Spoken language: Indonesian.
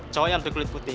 cowok yang berkulit putih